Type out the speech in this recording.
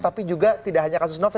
tapi juga tidak hanya kasus novel